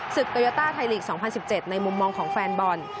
ศึกเกยาตาไทยลีกส์๒๐๑๗ในมุมมองของแฟนบอล